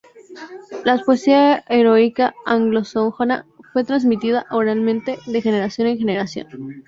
La poesía heroica anglosajona fue transmitida oralmente de generación en generación.